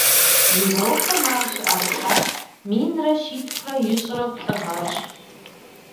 Европэм ар щыӏэрыхьар минрэ щитхурэ ищӏрэ плӏы гъэрщ.